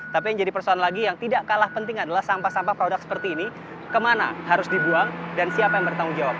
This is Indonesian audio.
tapi yang jadi persoalan lagi yang tidak kalah penting adalah sampah sampah produk seperti ini kemana harus dibuang dan siapa yang bertanggung jawab